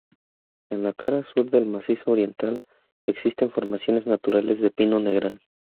En la cara sur del macizo oriental existen formaciones naturales de pino negral.